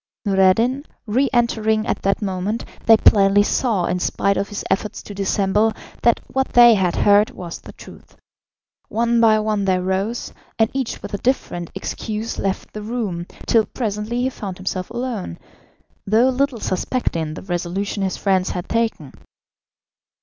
Noureddin re entering at that moment, they plainly saw, in spite of his efforts to dissemble, that what they had heard was the truth. One by one they rose, and each with a different excuse left the room, till presently he found himself alone, though little suspecting the resolution his friends had taken.